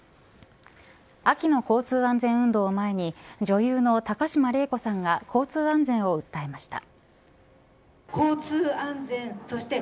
秋の交通安全運動を前に女優の高島礼子さんが交通安全を訴えました。